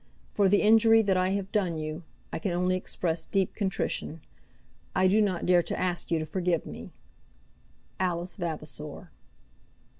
For the injury that I have done you, I can only express deep contrition. I do not dare to ask you to forgive me. ALICE VAVASOR."